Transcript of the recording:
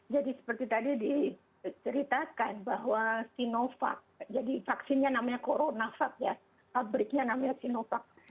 jadi seperti tadi diceritakan bahwa sinovac jadi vaksinnya namanya coronavac ya pabriknya namanya sinovac